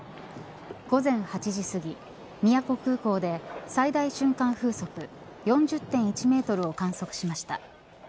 午前８時すぎ宮古空港で最大瞬間風速４０．１メートルを観測しました。